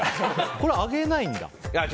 これ揚げないんだ？